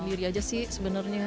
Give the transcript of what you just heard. sendiri aja sih sebenernya